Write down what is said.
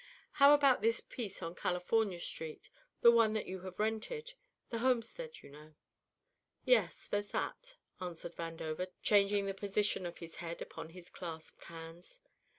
"How about this piece on California Street, the one that you have rented, the homestead, you know?" "Yes, there's that," answered Vandover, changing the position of his head upon his clasped hands.